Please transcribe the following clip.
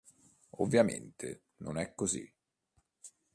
Ovviamente non è così.